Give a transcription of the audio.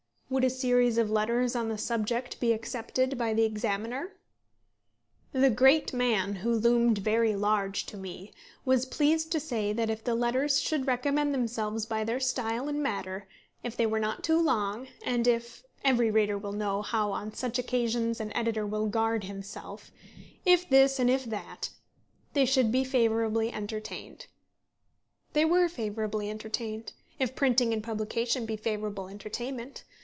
Would a series of letters on the subject be accepted by the Examiner? The great man, who loomed very large to me, was pleased to say that if the letters should recommend themselves by their style and matter, if they were not too long, and if every reader will know how on such occasions an editor will guard himself if this and if that, they should be favourably entertained. They were favourably entertained, if printing and publication be favourable entertainment.